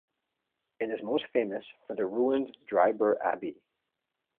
It is most famous for the ruined Dryburgh Abbey.